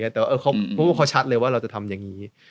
แต่ว่าเขาชัดเลยว่าเราจะทำอย่างนี้